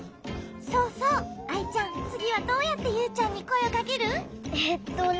そうそうアイちゃんつぎはどうやってユウちゃんにこえをかける？えっとね。